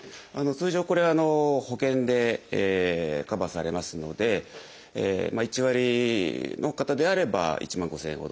通常これは保険でカバーされますので１割の方であれば１万５，０００円ほど。